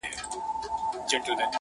• يوه مياشت وروسته ژوند روان دی..